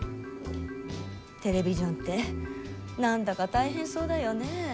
テレビジョンって何だか大変そうだよねえ。